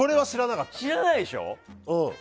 知らないでしょ。